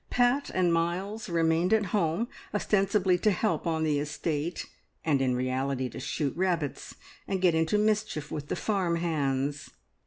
Pat and Miles remained at home, ostensibly to help on the estate, and in reality to shoot rabbits and get into mischief with the farm hands.